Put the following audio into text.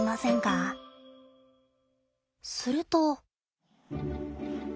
すると。